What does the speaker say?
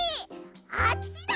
あっちだ！